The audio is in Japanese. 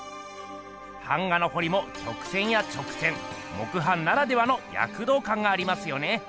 版画のほりもきょく線や直線木版ならではのやくどうかんがありますよね。